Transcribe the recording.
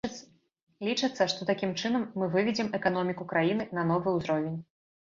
Лічыцца, што такім чынам мы выведзем эканоміку краіны на новы ўзровень.